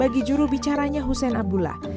bapak tidak bisa menyebabkan kegiatan